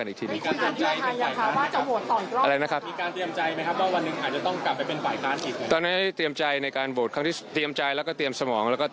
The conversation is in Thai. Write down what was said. ทุกทีต้องทำแผนอะไรขึ้นให้เรียบร้อยก่อน